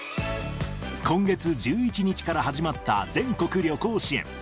今月１１日から始まった全国旅行支援。